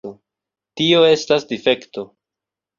Tio estas difekto.